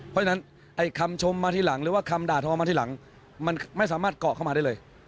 เพราะฉะนั้นไอ้คำชมมาทีหลังหรือว่าคำด่าทอมาทีหลังมันไม่สามารถเกาะเข้ามาได้เลย